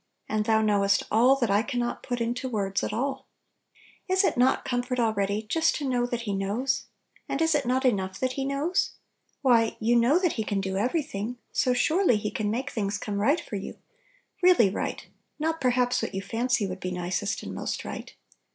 and Thou knowest all that I can not put into words at all! 40 Little Pillows. Is it not comfort already, just to know that He knows? And is it not enough that he knows? Why, you know that He can do every thing; so, surely, He can make things come right for you (really right, not perhaps what you fancy would be nicest and most right).